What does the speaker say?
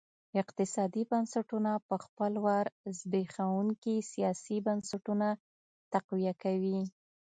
اقتصادي بنسټونه په خپل وار زبېښونکي سیاسي بنسټونه تقویه کوي.